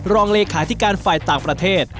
รองเลขาธิการฝ่ายต่างประเทศ